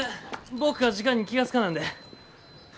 僕が時間に気が付かなんで。